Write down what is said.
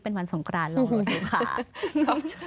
เป็นวันสงกรานลองดูค่ะ